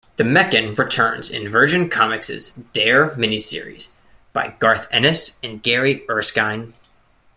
The Mekon returns in Virgin Comics' Dare miniseries by Garth Ennis and Gary Erskine.